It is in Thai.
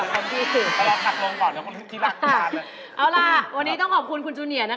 มารอกลับร้อนพี่เอง